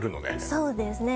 そうですね